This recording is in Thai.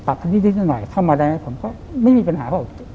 ปรับก็นิดนึงหน่อยไม่มีปัญหา